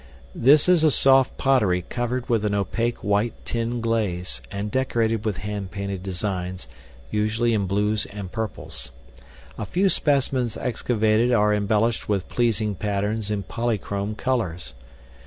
This is a soft pottery covered with an opaque white tin glaze, and decorated with hand painted designs, usually in blues and purples. A few specimens excavated are embellished with pleasing patterns in polychrome colors.